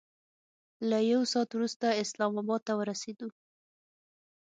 له یو ساعت وروسته اسلام اباد ته ورسېدو.